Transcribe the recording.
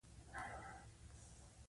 وقايه له درملنې غوره ده.